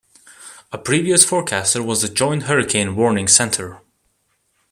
A previous forecaster was the Joint Hurricane Warning Center.